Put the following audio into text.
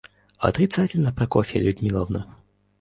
Отрицательно, Прокофья Людмиловна.